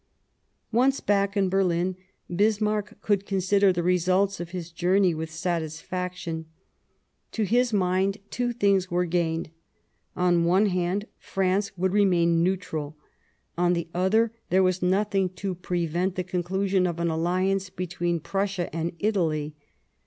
Once back in Berlin, Bismarck could consider the results of his journey with satisfaction ; to his mind two things were gained : on one hand, France would remain neutral ; on the other there was nothing to prevent the conclusion of an alliance between Prussia and Italy.